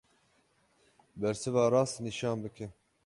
Bersiva rast nîşan bike.